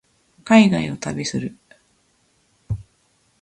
海外を旅する